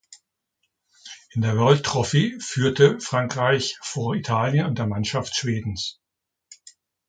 In der World Trophy führte Frankreich vor Italien und der Mannschaft Schwedens.